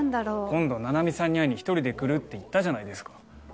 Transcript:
今度菜々美さんに会いに一人で来るって言ったじゃないですか。